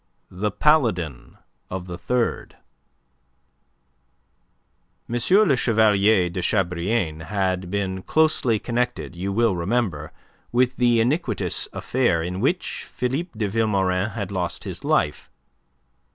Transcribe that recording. THE PALADIN OF THE THIRD M. Le Chevalier de Chabrillane had been closely connected, you will remember, with the iniquitous affair in which Philippe de Vilmorin had lost his life.